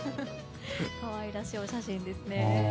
可愛らしいお写真ですね。